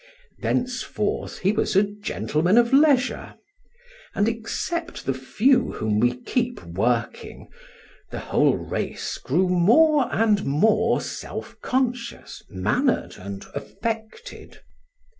Thenceforth he was a gentleman of leisure; and except the few whom we keep working, the whole race grew more and more self conscious, mannered and affected.